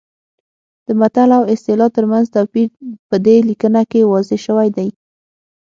د متل او اصطلاح ترمنځ توپیر په دې لیکنه کې واضح شوی دی